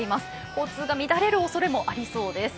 交通が乱れるおそれもありそうです。